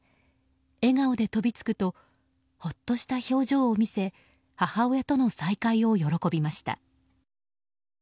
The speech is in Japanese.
笑顔で飛びつくとほっとした表情を見せ母親との再会を喜びました。